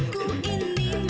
gak panci kek